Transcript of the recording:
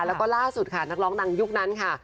แล้วก็ล่าสุดค่ะนักร้องดังยุคนั้นค่ะ